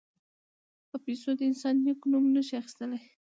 په پیسو د انسان نېک نوم نه شي اخیستلای.